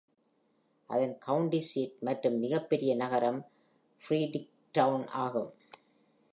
அதன் county seat மற்றும் மிகப் பெரிய நகரம், Fredericktown ஆகும்.